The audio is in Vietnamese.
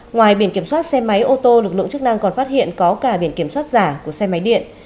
ngoài biển kiểm soát xe máy ô tô lực lượng chức năng còn phát hiện có cả biển kiểm soát giả của xe máy điện